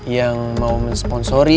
yang mau mensponsori